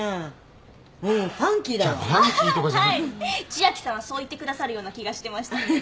千明さんはそう言ってくださるような気がしてました。